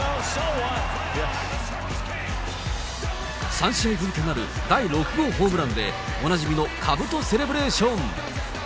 ３試合ぶりとなる第６号ホームランで、おなじみのかぶとセレブレーション。